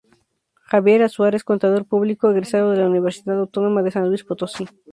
Xavier Azuara es contador público egresado de la Universidad Autónoma de San Luis Potosí.